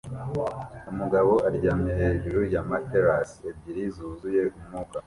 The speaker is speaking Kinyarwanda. Umugabo aryamye hejuru ya matelas ebyiri zuzuye umwuka